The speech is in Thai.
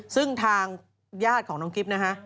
ซึ่งทางญาติของน้องกิ๊บนะฮะ